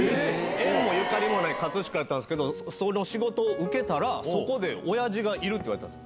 縁もゆかりもない葛飾やったんですけど、その仕事を受けたら、そこでおやじがいるって言われたんです。